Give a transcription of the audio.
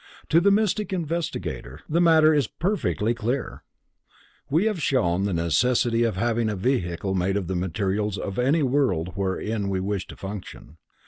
To the mystic investigator the matter is perfectly clear. We have shown the necessity of having a vehicle made of the materials of any world wherein we wish to function.